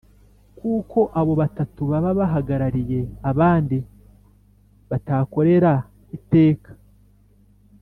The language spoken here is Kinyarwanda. kuko abo batatu baba bahagarariye abandi batakorera iteka